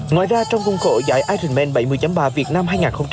ngoài ra trong công cổ giải ironman bảy mươi ba việt nam hai nghìn hai mươi hai